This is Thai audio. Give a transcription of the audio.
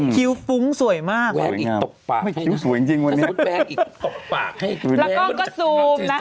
คิวฟุ้งสวยมากแว้งอีกตกปาก